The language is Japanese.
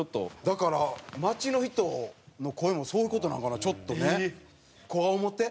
だから街の人の声もそういう事なのかなちょっとね。